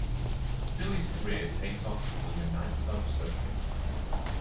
Billie's career takes off on the nightclub circuit.